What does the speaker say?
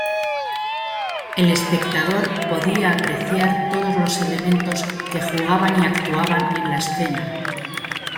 El espectador podía apreciar todos los elementos que jugaban y actuaban en la escena.